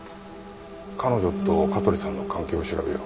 彼女と香取さんの関係を調べよう。